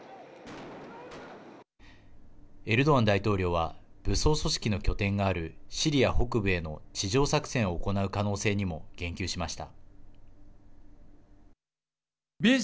エルドアン大統領は武装組織の拠点があるシリア北部への地上作戦を行う可能性にも言及しました。